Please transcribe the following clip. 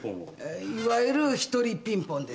いわゆる「一人ピンポン」ですか。